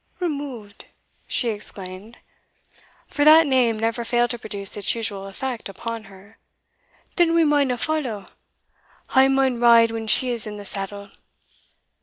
"Removed!" she exclaimed; for that name never failed to produce its usual effect upon her; "then we maun a' follow a' maun ride when she is in the saddle.